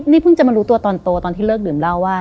นี่เพิ่งจะมารู้ตัวตอนโตตอนที่เลิกดื่มเหล้าว่า